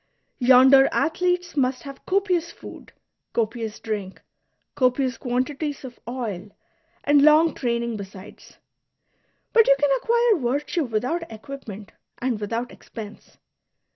Yonder athletes must have copious food, copious drink, copious quantities of oil, and long training besides ; but you can acquire virtue without equipment and without expense.